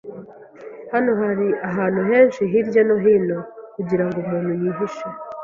Hano hari ahantu henshi hirya no hino kugirango umuntu yihishe.